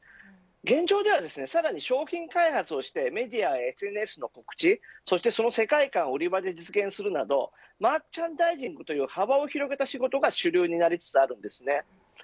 現状では、さらに商品開発をしてメディアやＳＮＳの告知その世界観を売り場で実現するなどマーチャンダイジングという幅を広げた仕事が主流になりつつあります。